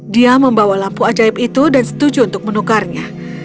dia membawa lampu ajaib itu dan setuju untuk menukarnya